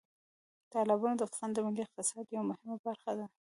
تالابونه د افغانستان د ملي اقتصاد یوه مهمه برخه ده.